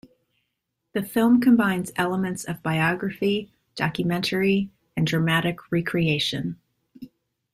The film combines elements of biography, documentary, and dramatic re-creation.